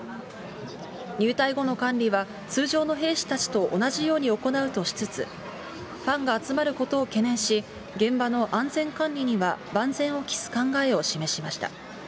入隊後の管理は通常の兵士たちと同じように行うとしつつ、ファンが集まることを懸念し、現場の安全管理には万全を期す考えを示しました。